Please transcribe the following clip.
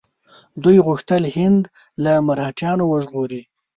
دوی غوښتل هند له مرهټیانو وژغوري.